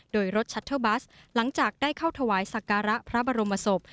โดยรถชัตเทอร์บัสหลังจากได้เข้าถวายสักการะพระบรมศพ